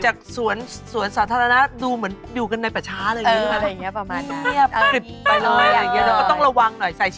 จากสวนสาธารณะดูเหมือนอยู่กันในประชาอะไรอย่างนี้